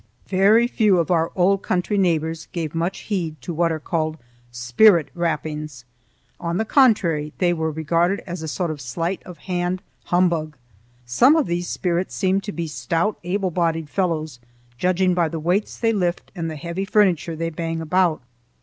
Very few of our old country neighbors gave much heed to what are called spirit rappings. On the contrary, they were regarded as a sort of sleight of hand humbug. Some of these spirits seem to be stout able bodied fellows, judging by the weights they lift and the heavy furniture they bang about.